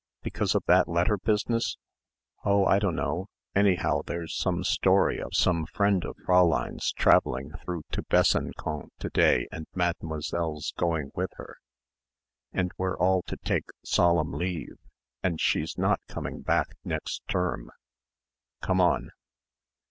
"Because of that letter business?" "Oh, I dunno. Anyhow there's some story of some friend of Fräulein's travelling through to Besançon to day and Mademoiselle's going with her and we're all to take solemn leave and she's not coming back next term. Come on."